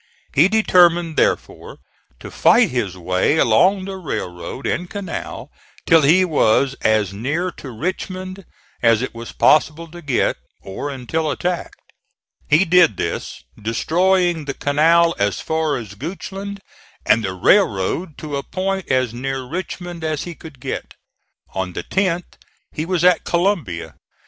He determined therefore to fight his way along the railroad and canal till he was as near to Richmond as it was possible to get, or until attacked. He did this, destroying the canal as far as Goochland, and the railroad to a point as near Richmond as he could get. On the 10th he was at Columbia.